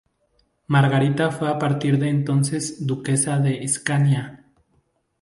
Margarita fue a partir de entonces duquesa de Scania.